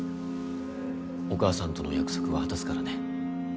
お母さんとの約束は果たすからね。